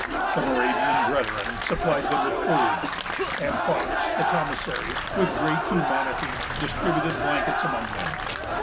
The Moravian Brethren supplied them with food; and Fox, the commissary, with great humanity, distributed blankets among them.